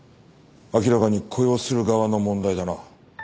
明らかに雇用する側の問題だな。